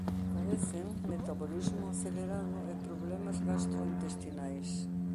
Padecen metabolismo acelerado e problemas gastrointestinais.